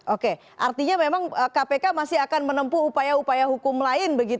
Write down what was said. oke artinya memang kpk masih akan menempuh upaya upaya hukum lain